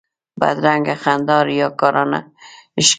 بدرنګه خندا ریاکارانه ښکاري